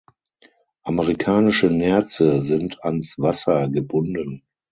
Amerikanische Nerze sind ans Wasser gebunden.